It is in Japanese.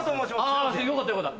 あよかったよかった。